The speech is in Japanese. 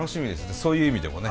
そういう意味でもね。